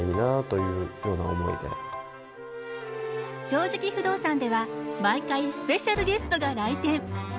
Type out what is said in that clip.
「正直不動産」では毎回スペシャルゲストが来店。